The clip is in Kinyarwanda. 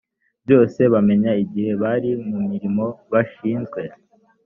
byose bamenye igihe bari mu mirimo bashinzwe